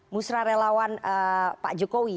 musyawarah relawan pak jokowi